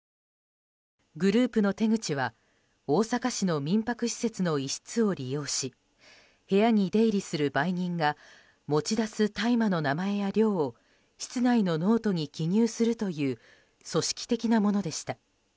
グループの手口は大阪市の民泊施設の一室を利用し部屋に出入りする売人が持ち出す大麻の名前や量を室内のノートに記入するという組織的なものでした。